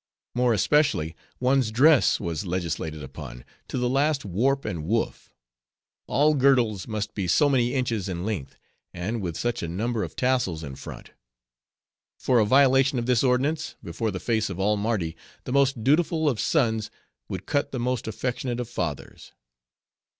More especially one's dress was legislated upon, to the last warp and woof. All girdles must be so many inches in length, and with such a number of tassels in front. For a violation of this ordinance, before the face of all Mardi, the most dutiful of sons would cut the most affectionate of fathers.